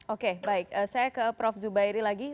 oke baik saya ke prof zubairi lagi